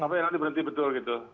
tapi nanti berhenti betul gitu